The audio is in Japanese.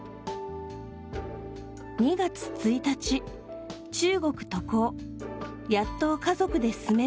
２月１日、中国渡航やっと家族で住める。